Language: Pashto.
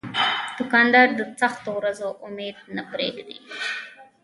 دوکاندار د سختو ورځو امید نه پرېږدي.